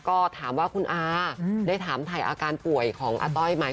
ก็ถามว่าคุณอาได้ถามถ่ายอาการป่วยของอาต้อยไหม